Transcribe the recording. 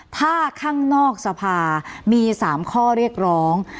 ถ้าข้างนอกสภามี๓ข้อเรียกร้อง